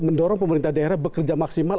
mendorong pemerintah daerah bekerja maksimal